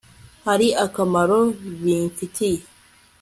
hari akamaro bimfitiye